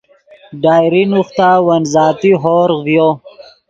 ڈائری نوختا ون ذاتی ہورغ ڤیو